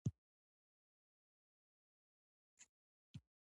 هر انسان باید خپل وجدان وساتي.